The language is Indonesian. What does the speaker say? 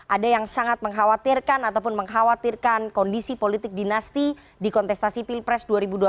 ada yang sangat mengkhawatirkan ataupun mengkhawatirkan kondisi politik dinasti di kontestasi pilpres dua ribu dua puluh